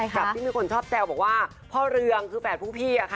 กับที่มีคนชอบแซวบอกว่าพ่อเรืองคือแฝดผู้พี่อะค่ะ